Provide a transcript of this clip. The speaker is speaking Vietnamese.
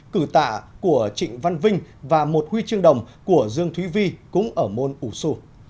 cử tạ của trịnh văn vinh và một huy chương đồng của dương thúy vi cũng ở môn ủ xu